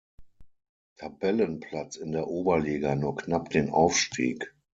Tabellenplatz in der Oberliga nur knapp den Aufstieg.